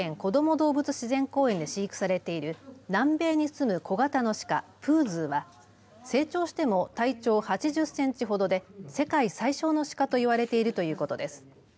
動物自然公園で飼育されている南米に住む小型の鹿プーズーは成長しても体長８０センチほどで世界最小の鹿といわれているということです。